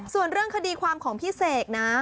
ส่วนเรื่องคดีความของพี่เสกนะ